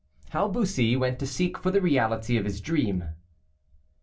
HOW BUSSY WENT TO SEEK FOR THE REALITY OF HIS DREAM.